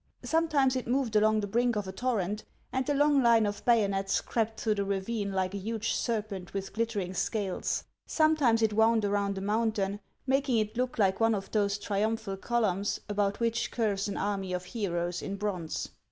Sometimes it moved along the brink of a torrent, and the long line of bayonets crept through the ravine like a huge serpent with glittering scales ; sometimes it wound around a mountain, making it look like one of those triumphal columns about which curves an army of heroes in bronze.